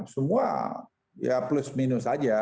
semua ya plus minus saja